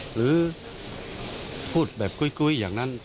หรือพูดแบบกุ้ยอย่างนั้น